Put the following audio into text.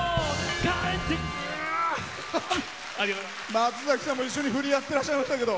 松崎さんも一緒に振りやってらっしゃいましたけど。